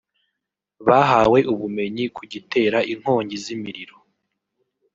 bahawe ubumenyi ku gitera inkongi z’imiriro